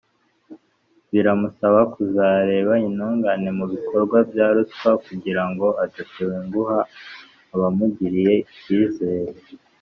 biramusaba kuzareba intungane mu bikorwa bya ruswa kugirango adatenguha abamugiriye icyizere